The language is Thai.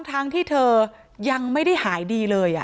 ทั้งที่เธอยังไม่ได้หายดีเลย